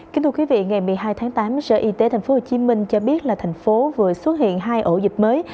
kính thưa quý vị ngày một mươi hai tháng tám sở y tế tp hcm cho biết là thành phố vừa xuất hiện hai ổ dịch mới